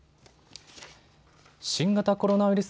新型コロナウイルス